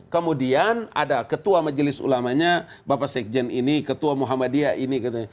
kemudian ada ketua majelis ulama nya bapak sikjen ini ketua muhammadiyah ini